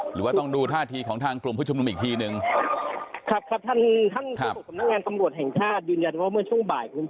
หรือว่าต้องดูท่าทีของทางกลุ่มผู้ชุมนุมอีกทีหนึ่ง